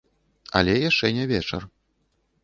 Але яшчэ не вечар.